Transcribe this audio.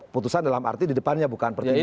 putusan dalam arti di depannya bukan pertimbangan